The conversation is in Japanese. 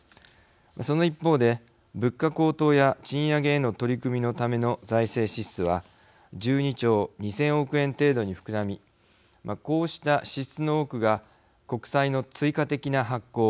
その一方で、物価高騰や賃上げへの取り組みのための財政支出は１２兆２０００億円程度に膨らみこうした支出の多くが国債の追加的な発行